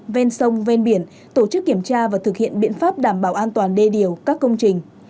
ven sông ven biển tổ chức kiểm tra và thực hiện biện pháp đảm bảo an toàn đê điều các công trình